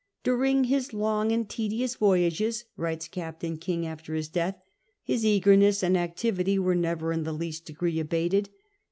" During his long and tedious voyages," writes Captain King after his death, "his eagerness and activity were never in the least degree abated.